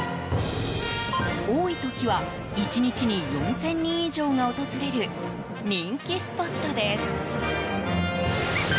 多い時は１日に４０００人以上が訪れる人気スポットです。